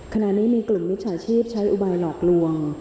ขณะนี้มีกลุ่มมิจฉาชีพใช้อุบายหลอกลวง